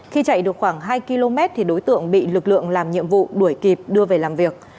khi chạy được khoảng hai km thì đối tượng bị lực lượng làm nhiệm vụ đuổi kịp đưa về làm việc